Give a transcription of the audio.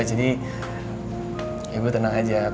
jadi ibu tenang aja